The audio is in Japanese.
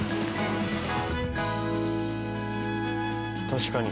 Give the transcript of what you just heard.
確かに。